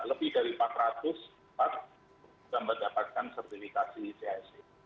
lebih dari empat ratus pak yang mendapatkan sertifikasi cisc